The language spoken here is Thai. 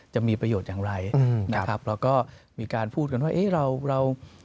จะมีประโยชน์อย่างไรเราก็มีการพูดกันว่า